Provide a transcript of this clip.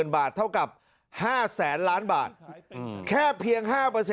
๑๐๐๐๐บาทเท่ากับ๕๐๐๐๐๐บาทแค่เพียง๕